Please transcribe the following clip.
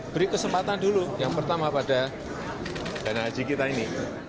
beri kesempatan dulu yang pertama pada dana haji kita ini